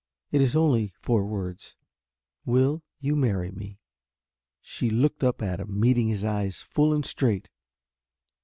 It is only four words. Will you marry me?" She looked up at him, meeting his eyes full and straight.